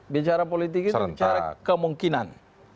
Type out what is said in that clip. bicara politik itu bicara kemungkinan